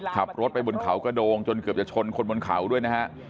ขับรถไปบนเขากระโดงจนเกือบจะชนคนบนเขาด้วยนะฮะ